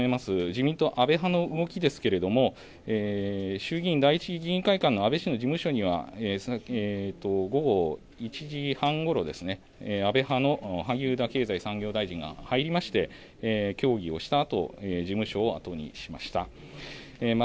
自民党安倍派の動きですけれども衆議院第１議員会館の安倍氏の事務所には午後１時半ごろ安倍派の萩生田経済産業省大臣が入りまして協議をしたあと事務所を後にしました。